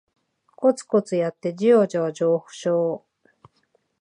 コツコツやってジワジワ上昇